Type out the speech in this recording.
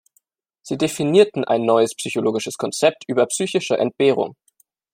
Sie definierten ein neues psychologisches Konzept über psychische Entbehrung.